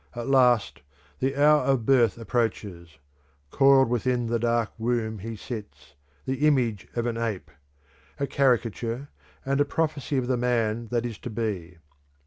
At last the hour of birth approaches; coiled within, the dark womb he sits, the image of an ape; a caricature and, a prophecy of the man that is to be.